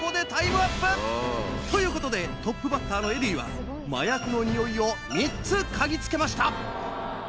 ここで。ということでトップバッターのエディは麻薬のニオイを３つ嗅ぎつけました。